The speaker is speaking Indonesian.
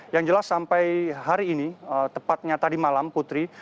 yang jelas sampai hari ini tepatnya tadi malam putri